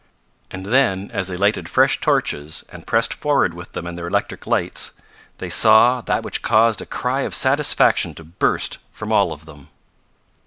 And then, as they lighted fresh torches, and pressed forward with them and their electric lights, they saw that which caused a cry of satisfaction to burst from all of them.